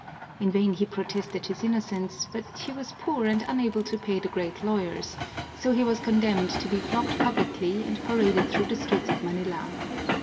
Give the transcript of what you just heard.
In vain he protested his innocence, but he was poor and unable to pay the great lawyers, so he was condemned to be flogged publicly and paraded through the streets of Manila.